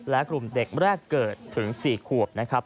และกลุ่มเด็กแรกเกิดถึง๔ขวบนะครับ